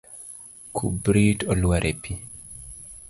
Kubrit olwar e pi.